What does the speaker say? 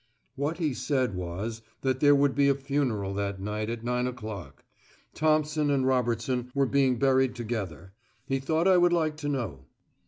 What he said was that there would be a funeral that night at nine o'clock. Thompson and Robertson were being buried together. He thought I would like to know.